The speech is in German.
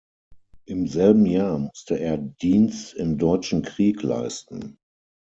Im selben Jahr musste er Dienst im Deutschen Krieg leisten.